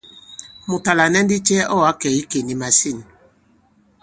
Mùt à lànɛ ndi cɛ ɔ̂ ǎ kɛ̀ i ikè nì màsîn ?